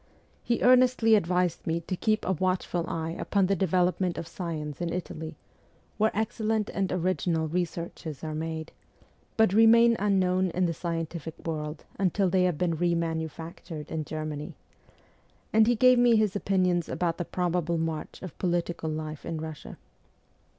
He earnestly advised me to keep a watchful x 2 808 MEMOIRS OF A REVOLUTIONIST eye upon the development of science in Italy, where excellent and original researches are made, but remain unknown in the scientific world until they have been re manufactured in Germany ; and he gave me his opinions about the probable march of political life in Eussia.